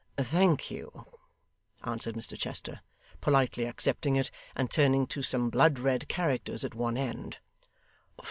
'Thank you,' answered Mr Chester, politely accepting it, and turning to some blood red characters at one end.